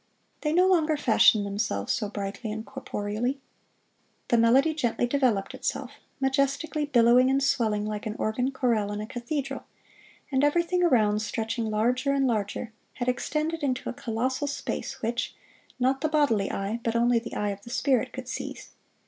They no longer fashioned themselves so brightly and corporeally. The melody gently developed itself, majestically billowing and swelling like an organ chorale in a cathedral, and everything around, stretching larger and higher, had extended into a colossal space which, not the bodily eye, but only the eye of the spirit could seize.